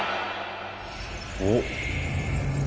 おっ。